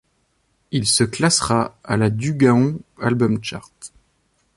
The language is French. Il se classera à la du Gaon Album Chart.